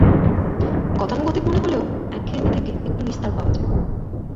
গতানুগতিক মনে হলেও একঘেয়েমি থেকে একটু নিস্তার পাওয়া যায়।